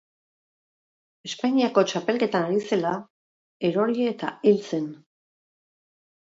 Espainiako txapelketan ari zela, erori eta hil zen.